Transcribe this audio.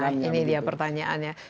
nah ini dia pertanyaannya